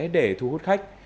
để thu hút khách